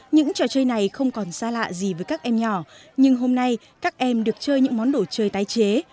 những trò chơi này không còn xa lạ gì với các em nhỏ nhưng hôm nay các em được chơi những món đồ chơi tái chế